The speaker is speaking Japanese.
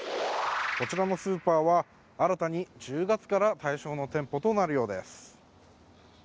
こちらのスーパーは新たに１０月から対象の店舗となるようです。